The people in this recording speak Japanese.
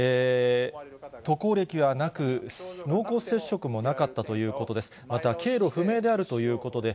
渡航歴はなく、濃厚接触もなかったということです。